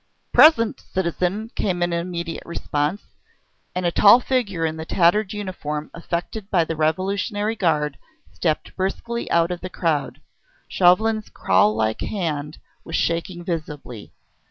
"Present, citizen!" came in immediate response. And a tall figure in the tattered uniform affected by the revolutionary guard stepped briskly out of the crowd. Chauvelin's claw like hand was shaking visibly.